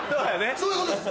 そういうことです。